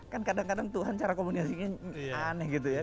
kan kadang kadang tuhan cara komunikasinya aneh gitu ya